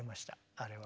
あれは。